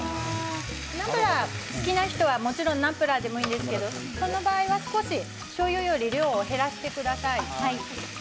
ナムプラーが好きな人はもちろんナムプラーでもいいですけれどその場合は少ししょうゆよりも量を減らしてください。